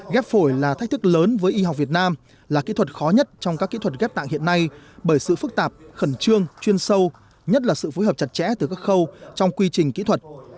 ghép phổi là thách thức lớn với y học việt nam là kỹ thuật khó nhất trong các kỹ thuật ghép tạng hiện nay bởi sự phức tạp khẩn trương chuyên sâu nhất là sự phối hợp chặt chẽ từ các khâu trong quy trình kỹ thuật